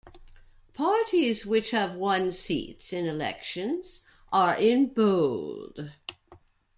Parties which have won seats in elections are in bold.